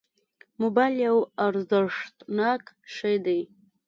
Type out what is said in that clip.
موبایل یو ارزښتناک شی دی.